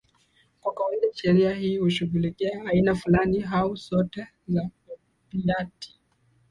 Kwa kawaida sheria hii hushughulikia aina fulani au zote za opiati